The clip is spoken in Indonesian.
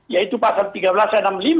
yaitu pasal tiga belas dan enam puluh lima